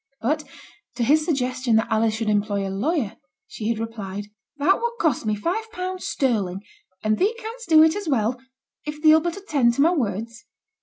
But to his suggestion that Alice should employ a lawyer, she had replied 'That would cost me five pounds sterling; and thee canst do it as well, if thee'll but attend to my words.'